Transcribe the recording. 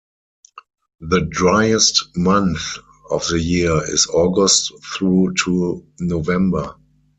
The driest months of the year is August through to November.